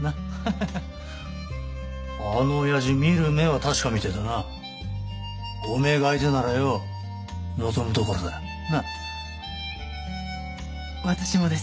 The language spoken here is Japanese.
ハハハッあのおやじ見る目は確かみてぇだなおめぇが相手ならよ望むところだなぁ私もです